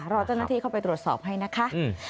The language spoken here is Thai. รอเจ้าหน้าที่เข้าไปตรวจสอบให้นะคะ